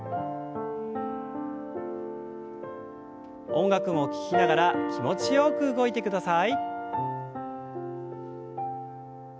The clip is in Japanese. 音楽を聞きながら気持ちよく動いてください。